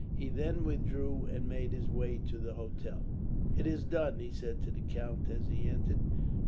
He then withdrew, and made his way to the hotel. "It is done," he said to the count as he entered.